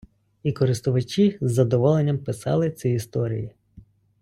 І користувачі з задоволенням писали ці історії.